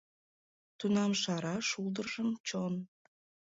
Тунам шара шулдыржым чон.